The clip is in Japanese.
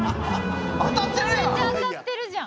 当たってるやん。